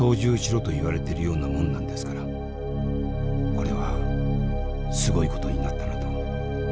「これはすごいことになったなと。